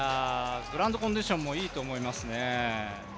グラウンドコンディションもいいと思いますね。